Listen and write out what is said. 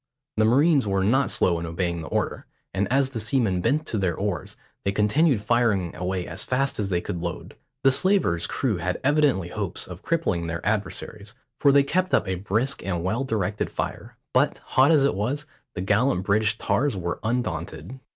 The marines were not slow in obeying the order, and as the seamen bent to their oars, they continued firing away as fast as they could load. The slaver's crew had evidently hopes of crippling their adversaries, for they kept up a brisk and well directed fire; but, hot as it was, the gallant British tars were undaunted.